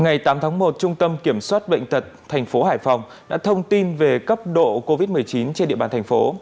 ngày tám tháng một trung tâm kiểm soát bệnh tật thành phố hải phòng đã thông tin về cấp độ covid một mươi chín trên địa bàn thành phố